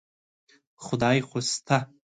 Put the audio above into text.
خدای خو شته.